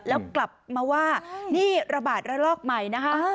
แล้วกลับมาว่านี่ระบาดระลอกใหม่นะคะ